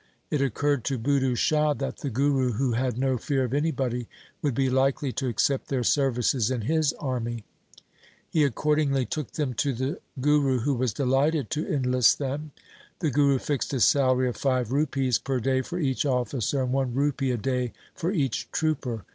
It occurred to Budhu Shah that the Guru, who had no fear of anybody, would be likely to accept their services in his army. He accordingly took them to the Guru who was delighted to enlist them. The Guru fixed a salary of five rupees per day for each officer and one rupee a day for each trooper.